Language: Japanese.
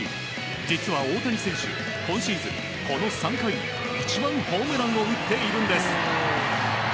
実は大谷選手、今シーズンこの３回に一番ホームランを打っているんです。